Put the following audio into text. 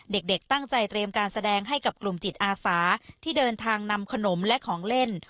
เด็กตั้งใจเตรียมการแสดงให้กับกลุ่มจิตอาสาที่เดินทางนำขนมและของเล่น